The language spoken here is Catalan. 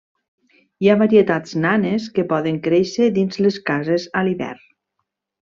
Hi ha varietats nanes que poden créixer dins les cases a l'hivern.